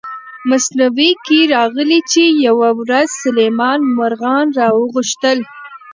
مثنوي کې راغلي چې یوه ورځ سلیمان مارغان را وغوښتل.